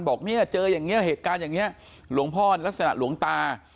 บอกเจอเหตุการณ์อย่างนี้หลวงพ่อลักษณะหลวงตา